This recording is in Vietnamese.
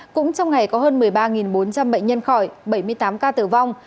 cũng trong ngày có hơn một mươi ba bốn trăm linh bệnh nhân khỏi bảy mươi tám ca tử vong